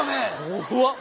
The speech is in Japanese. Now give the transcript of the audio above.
怖っ！